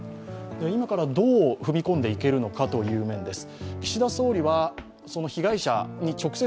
今からどう踏み込んでいけるのかという面です。